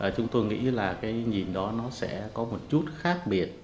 chúng tôi nghĩ là cái nhìn đó nó sẽ có một chút khác biệt